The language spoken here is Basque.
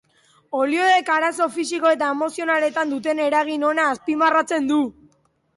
Olioek arazo fisiko eta emozionaletan duten eragin ona azpimarratzen du.